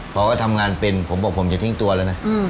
เพราะว่าทำงานเป็นผมบอกจะทิ้งตัวแล้วนะ